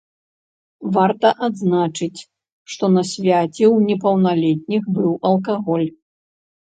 Варта адзначыць, што на свяце ў непаўналетніх быў алкаголь.